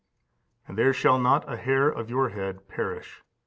"And there shall not a hair of your head perish."